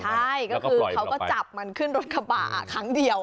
ใช่ก็คือเขาก็จับมันขึ้นรถกระบะครั้งเดียว